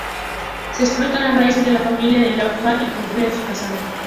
Se exploran las raíces de la familia de Leatherface y profundiza en su pasado.